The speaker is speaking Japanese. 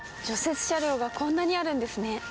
雪車両がこんなにあるんですね。